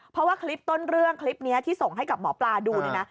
เพราะว่าคลิปต้นเรื่องคลิปนี้ที่ส่งให้กับหมอปลาดูเนี่ยนะ